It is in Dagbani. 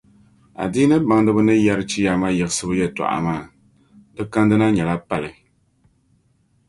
Adiini baŋdiba ni yɛri chiyaama yiɣisibu yɛltɔɣa maa, di kandi na nyɛla pali.